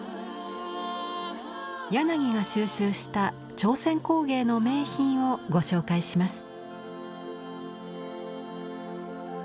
柳が収集した朝鮮工芸の名品をご紹介します。